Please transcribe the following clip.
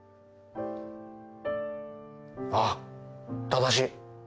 ああ正しい。